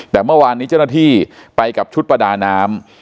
แต่เมื่อวานนี้เจ้าหน้าที่ไปกับชุดประดาน้ำ